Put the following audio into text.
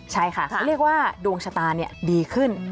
ใช่ค่ะเขาเรียกว่าดวงชะตาดีขึ้น